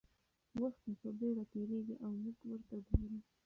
وخت په بېړه تېرېږي او موږ ورته ګورو.